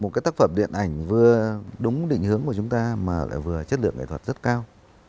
một cái tác phẩm điện ảnh vừa đúng định hướng của chúng ta mà lại vừa chất lượng nghệ thuật rất cao